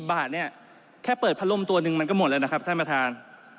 บาทเนี่ยแค่เปิดพัดลมตัวนึงมันก็หมดแล้วนะครับท่านประธาน